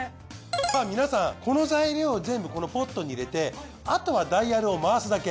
さぁ皆さんこの材料を全部このポットに入れてあとはダイヤルを回すだけ。